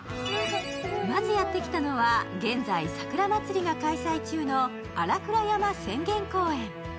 まずやってきたのは、現在、桜まつりが開催中の新倉山浅間公園。